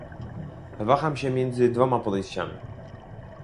Waham się między dwoma podejściami